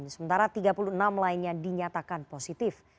sementara tiga puluh enam lainnya dinyatakan positif